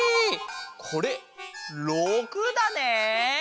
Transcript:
これ６だね。